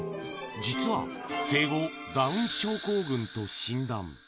実は、生後、ダウン症候群と診断。